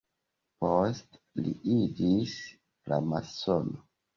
Poste li iĝis framasono.